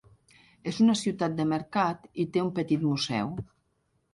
És una ciutat de mercat i té un petit museu.